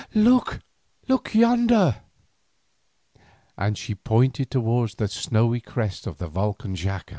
Look yonder!" and she pointed toward the snowy crest of the volcan Xaca.